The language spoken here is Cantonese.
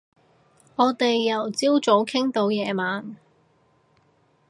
我哋由朝早傾到夜晚